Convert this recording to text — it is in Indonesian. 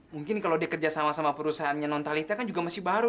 mungkin kalau dia kerja sama sama perusahaannya non talita kan juga masih baru